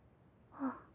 あっ。